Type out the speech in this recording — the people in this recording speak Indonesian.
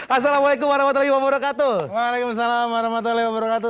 assalamualaikum warahmatullahi wabarakatuh waalaikumsalam warahmatullahi wabarakatuh